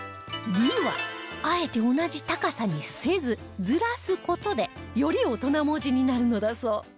「り」はあえて同じ高さにせずずらす事でより大人文字になるのだそう